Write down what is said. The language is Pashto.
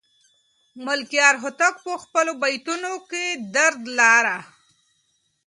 ملکیار هوتک په خپلو بیتونو کې درد لاره.